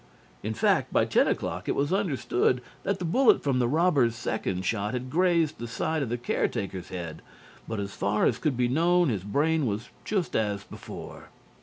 In fact, by ten o'clock it was understood that the bullet from the robber's second shot had grazed the side of the caretaker's head, but as far as could be known his brain was just as before.